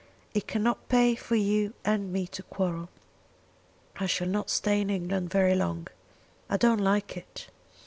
It cannot pay for you and me to quarrel. I shall not stay in England very long. I don't like it.